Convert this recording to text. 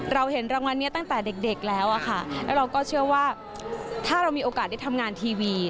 เราเห็นรางวัลนี้ตั้งแต่เด็กแล้วอะค่ะแล้วเราก็เชื่อว่าถ้าเรามีโอกาสได้ทำงานทีวี